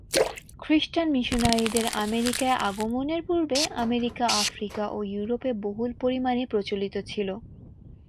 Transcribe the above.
খৃস্টান মিশনারিদের আমেরিকায় আগমনের পূর্বে আমেরিকা, আফ্রিকা ও ইউরোপে বহুল পরিমাণে প্রচলিত ছিলো।